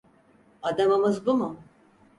Adamımız bu mu?